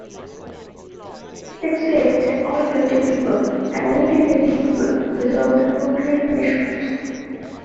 It says that all guilty people, and only guilty people, deserve appropriate punishment.